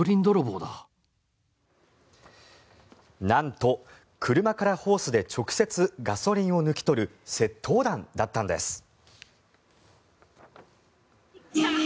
なんと車からホースで直接、ガソリンを抜き取る窃盗団だったんです。